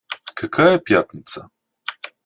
Какая пятница?